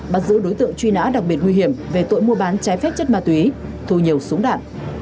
bắt giữ đối tượng truy nã đặc biệt nguy hiểm về tội mua bán trái phép chất ma túy thu nhiều súng đạn